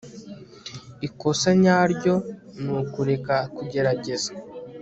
ikosa nyaryo ni ukureka kugerageza